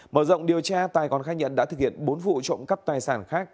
mở rộng điều tra tài còn khai nhận đã thực hiện bốn vụ trộm cắp tài sản khác